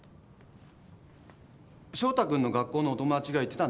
翔太君の学校のお友達が言ってたんです。